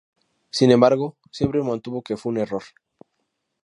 Sin embargo siempre mantuvo que fue un error.